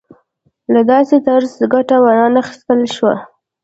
له داسې طرزه ګټه وانخیستل شوه.